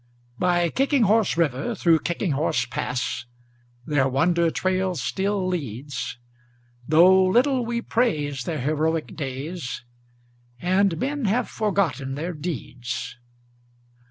By Kicking Horse River, through Kicking Horse Pass, Their wonder trail still leads, Though little we praise their heroic days And men have forgotten their deeds.